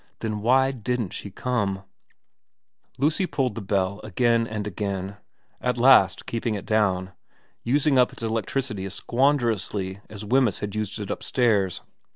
Then why didn't she come ? Lucy pulled the bell again and again, at last keeping it down, using up its electricity as squanderously as Wemyss had used it upstairs.